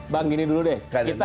bang gini dulu deh